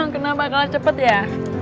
kenapa kalah cepet ya